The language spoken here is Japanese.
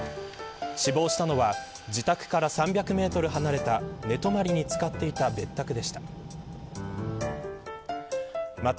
死亡したのは自宅から３００メートル離れた寝泊りに使っていた別宅でした。